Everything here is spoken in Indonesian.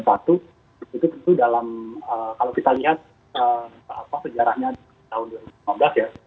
itu tentu dalam kalau kita lihat sejarahnya tahun dua ribu lima belas ya